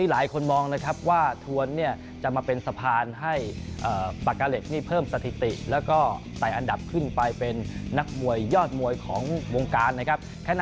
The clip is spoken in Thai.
แล้วทวนจะเป็นสะพารให้ปากกะเหล็กเพิ่มสถิติใส่อันดับขึ้นให้เป็นนักมวยสมมุมงค์การนะครับ